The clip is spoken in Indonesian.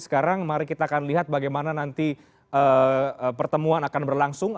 sekarang mari kita akan lihat bagaimana nanti pertemuan akan berlangsung